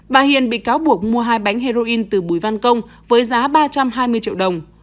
bà hiền bị cáo buộc mua hai bánh heroin từ bùi văn công với giá ba trăm hai mươi triệu đồng